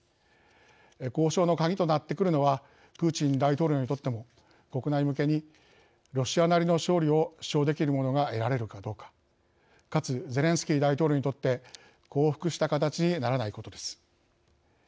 交渉の鍵となってくるのはプーチン大統領にとっても国内向けにロシアなりの勝利を主張できるものが得られるかどうかかつゼレンスキー大統領にとって降伏した形にならないことです。